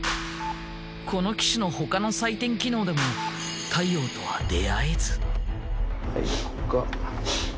この機種のほかの採点機能でも太陽とは出合えず。